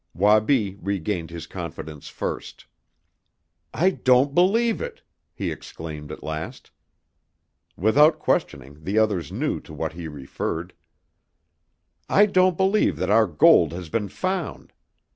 Wabi regained his confidence first. "I don't believe it!" he exclaimed at last. Without questioning, the others knew to what he referred. "I don't believe that our gold has been found.